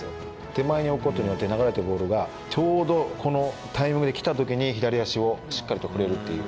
手前に置くことによって、流れたボールが、ちょうどこのタイミングで来たときに、左足をしっかりと振れるという。